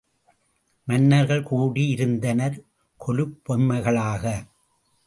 மன்னர்கள் கூடி இருந்தனர் கொலுப் பொம்மைகளாக.